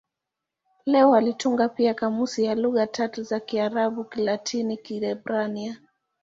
Leo alitunga pia kamusi ya lugha tatu za Kiarabu-Kilatini-Kiebrania.